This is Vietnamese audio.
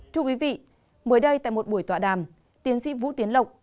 thưa quý vị mới đây tại một buổi tọa đàm tiến sĩ vũ tiến lộc